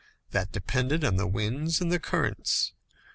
That depended on the winds and the currents.